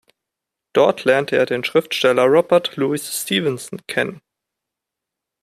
Dort lernte er den Schriftsteller Robert Louis Stevenson kennen.